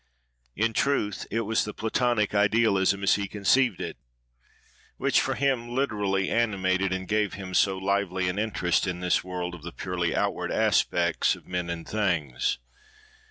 In truth, it was the Platonic Idealism, as he conceived it, which for him literally animated, and gave him so lively an interest in, this world of the purely outward aspects of men and things.